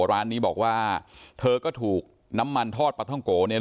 ร้านนี้บอกว่าเธอก็ถูกน้ำมันทอดปลาท่องโกเนี่ย